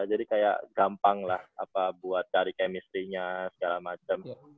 jadi kayak gampang lah buat cari chemistry nya segala macem